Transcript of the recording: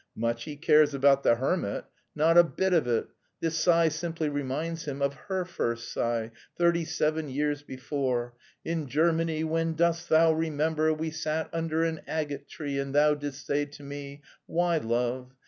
Much he cares about the hermit! Not a bit of it, this sigh simply reminds him of her first sigh, thirty seven years before, "in Germany, when, dost thou remember, we sat under an agate tree and thou didst say to me, 'Why love?